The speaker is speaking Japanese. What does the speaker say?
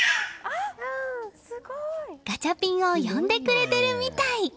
ガチャピンを呼んでくれてるみたい！